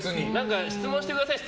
質問してください。